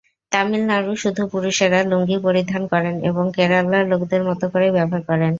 তামিলনাডুয় শুধু পুরুষেরা লুঙ্গি পরিধান করেন এবং কেরালার লোকদের মত করেই ব্যবহার করেন।